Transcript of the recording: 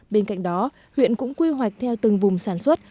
bên cạnh đó huyện cũng quy hoạch theo từng vùng sản xuất